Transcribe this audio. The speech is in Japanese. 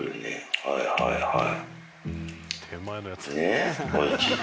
はいはいはい。